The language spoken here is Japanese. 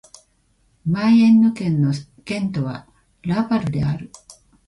マイエンヌ県の県都はラヴァルである